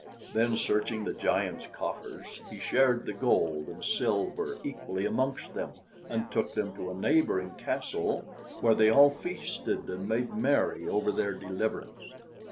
Then searching the giant's coffers, he shared the gold and silver equally amongst them and took them to a neighboring castle, where they all feasted and made merry over their deliverance.